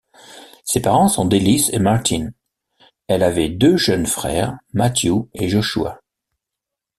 Ses parents sont Delys et Martin, elle avait deux jeunes frères Matthew et Joshua.